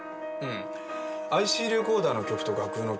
ＩＣレコーダーの曲と楽譜の曲